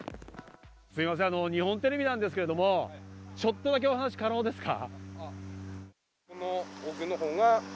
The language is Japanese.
すみません、日本テレビなんですけれども、ちょっとだけお話、可能ですか？